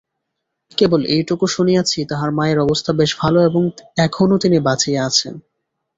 কেবল এইটুকু শুনিয়াছি, তাহার মায়ের অবস্থা বেশ ভালো এবং এখনো তিনি বাঁচিয়া আছেন।